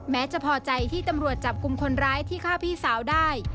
จะพอใจที่ตำรวจจับกลุ่มคนร้ายที่ฆ่าพี่สาวได้